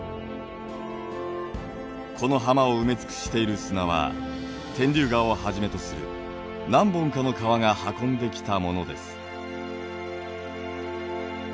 この浜を埋め尽くしている砂は天竜川をはじめとする何本かの川が運んできたものです。